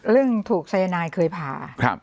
เรื่องถูกสายนายเคยผ่า